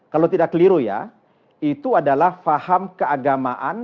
kalau tidak keliru ya itu adalah faham keagamaan